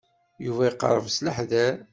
Yuba iqerreb s leḥder.